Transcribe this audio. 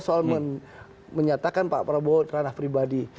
soal menyatakan pak prabowo ranah pribadi